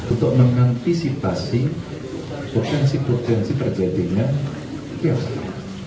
untuk mengantisipasi potensi potensi terjadinya tiap hari